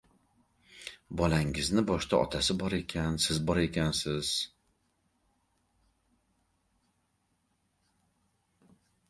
Bolangizni boshida otasi bor ekan, siz bor ekansiz.